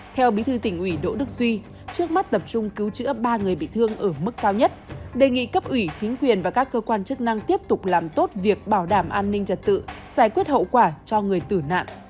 theo bí thư tỉnh ủy đỗ đức duy trước mắt tập trung cứu chữa ba người bị thương ở mức cao nhất đề nghị cấp ủy chính quyền và các cơ quan chức năng tiếp tục làm tốt việc bảo đảm an ninh trật tự giải quyết hậu quả cho người tử nạn